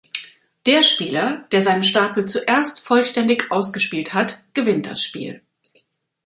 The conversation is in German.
Der Spieler, der seinen Stapel zuerst vollständig ausgespielt hat, gewinnt das Spiel.